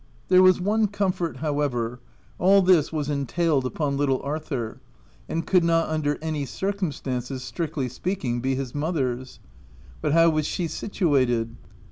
There was one comfort however, — all this was entailed upon little Arthur, and could not under any circumstances, strictly speaking, be his mother's. But how was she situated